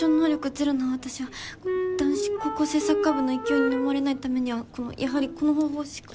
ゼロの私は男子高校生サッカー部の勢いにのまれないためにはやはりこの方法しか。